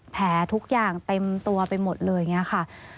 แผลทุกอย่างเต็มตัวไปหมดเลยอย่างนี้ค่ะ